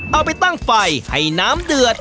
เอาไปตั้งไฟให้น้ำเดือด